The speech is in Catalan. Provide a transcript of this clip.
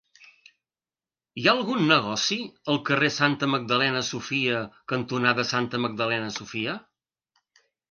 Hi ha algun negoci al carrer Santa Magdalena Sofia cantonada Santa Magdalena Sofia?